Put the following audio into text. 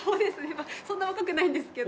そんな若くないんですけど。